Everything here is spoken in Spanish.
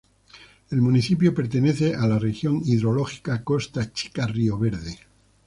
El municipio pertenece a la región hidrológica Costa Chica-Río Verde.